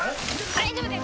大丈夫です